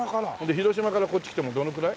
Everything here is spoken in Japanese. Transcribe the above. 広島からこっち来てもうどのくらい？